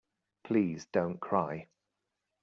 Please don't cry.